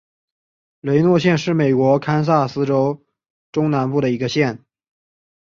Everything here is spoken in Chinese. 雷诺县是美国堪萨斯州中南部的一个县。